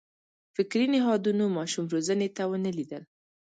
فکري نهادونو ماشوم روزنې ته ونه لېدل.